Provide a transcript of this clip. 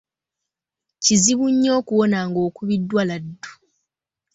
Kizibu nnyo okuwona ng'okubiddwa laddu.